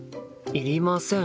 いりません。